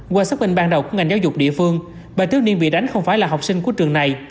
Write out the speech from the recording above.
qua xác minh ban đầu của ngành giáo dục địa phương bài thiếu niên bị đánh không phải là học sinh của trường này